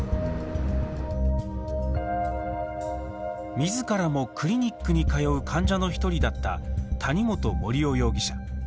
みずからもクリニックに通う患者の１人だった谷本盛雄容疑者。